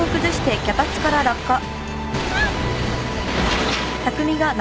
あっ！